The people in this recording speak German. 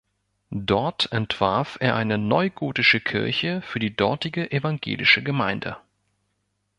Dort entwarf er eine neugotische Kirche für die dortige evangelische Gemeinde.